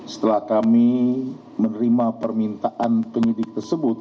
setelah kami menerima permintaan penyidik tersebut